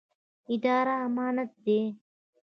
اداره امانت دی